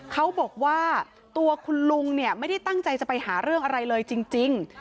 เขาบอกว่าตัวคุณลุงเนี่ยไม่ได้ตั้งใจจะไปหาเรื่องอะไรเลยจริง